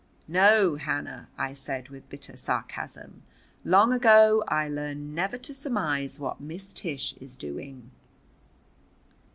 "No, Hannah," I said with bitter sarcasm. "Long ago I learned never to surmise what Miss Tish is doing."